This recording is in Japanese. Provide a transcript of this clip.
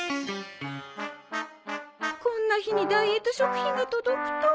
こんな日にダイエット食品が届くとは。